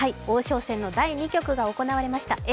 王将戦の第２局が行われました。